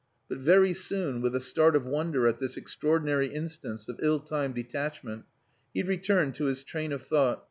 But very soon, with a start of wonder at this extraordinary instance of ill timed detachment, he returned to his train of thought.